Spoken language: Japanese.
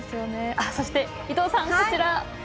そして伊藤さん、こちら。